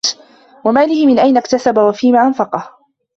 وَمَالِهِ مِنْ أَيْنَ اكْتَسَبَهُ وَفِيمَ أَنْفَقَهُ